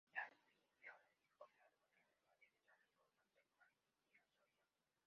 Al Di Meola dedicó el álbum a la memoria de su amigo, Astor Piazzolla.